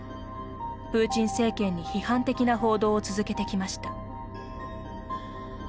プーチン政権に批判的な報道を続けてきました。